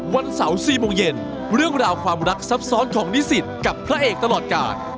วันเสาร์๔โมงเย็นเรื่องราวความรักซับซ้อนของนิสิตกับพระเอกตลอดกาล